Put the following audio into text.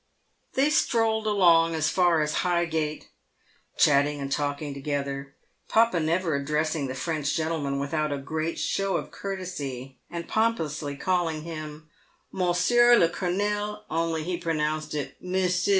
. They strolled along as far as Highgate, chatting and talking toge ther, papa never addressing the Trench gentleman without a great show of courtesy, and pompously calling him Monsieur le Colonel (only he pronounced it Mussu).